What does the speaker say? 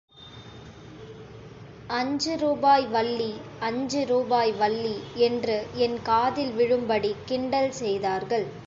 அஞ்சு ரூபாய் வள்ளி அஞ்சு ரூபாய் வள்ளி என்று என் காதில் விழும்படிக் கிண்டல் செய்தார்கள்.